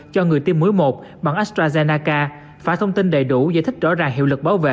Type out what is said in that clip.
cho người tiêm mũi một bằng astrazeneca phá thông tin đầy đủ giới thích rõ ràng hiệu lực bảo vệ